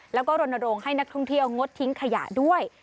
แล้วก็รณรงค์ให้นักท่องเที่ยวงดทิ้งขยะด้วย